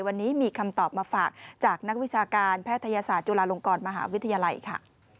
วันนี้มีคำตอบมาฝากจากนักวิชาการแพทยศาสตร์จุฬาลงกรมหาวิทยาลัยค่ะ